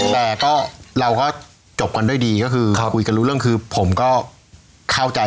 แต่ก็เราก็จบกันด้วยดีก็คือคุยกันรู้เรื่องคือผมก็เข้าใจ